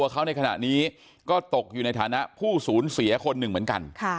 เขาในขณะนี้ก็ตกอยู่ในฐานะผู้สูญเสียคนหนึ่งเหมือนกัน